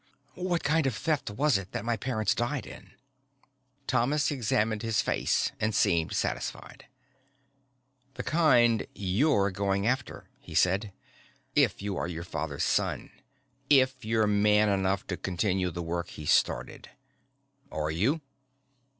"What kind of Theft was it that my parents died in?" Thomas examined his face and seemed satisfied. "The kind you're going after," he said. "If you are your father's son. If you're man enough to continue the work he started. Are you?"